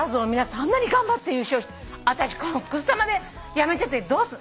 あんなに頑張って優勝して私このくす玉でやめててどうすんの。